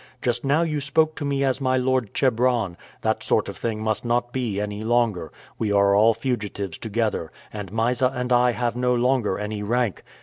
Just now you spoke to me as my lord Chebron. That sort of thing must not be any longer. We are all fugitives together, and Mysa and I have no longer any rank.